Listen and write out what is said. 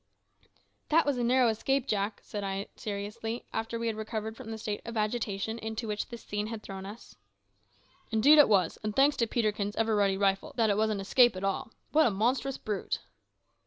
"That was a narrow escape, Jack," said I seriously, after we had recovered from the state of agitation into which this scene had thrown us. "Indeed it was; and thanks to Peterkin's ever ready rifle that it was an escape at all. What a monstrous brute!"